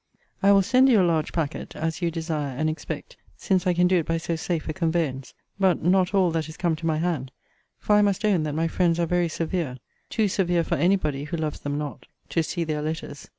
I will send you a large packet, as you desire and expect; since I can do it by so safe a conveyance: but not all that is come to my hand for I must own that my friends are very severe; too severe for any body, who loves them not, to see their letters.